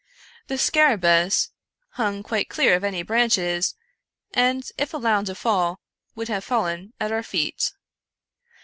The scarabcrus hung quite clear of any branches, and, if allowed to fall, wotild have fallen at our feet.